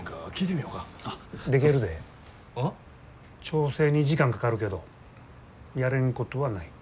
調整に時間かかるけどやれんことはない。